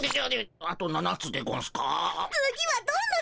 あああと７つでゴンスな。